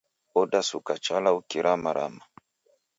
Odasuka chala ukiramarama